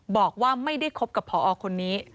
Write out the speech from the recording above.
บอกว่าไม่ได้คบกับพอคนนี้